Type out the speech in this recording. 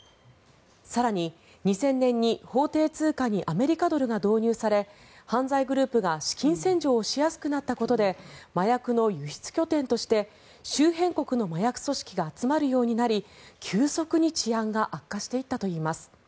更に、２０００年に法定通貨にアメリカドルが導入され犯罪グループが資金洗浄をしやすくなったことで麻薬の輸出拠点として周辺国の麻薬組織が集まるようになり急速に治安が悪化していったといいます。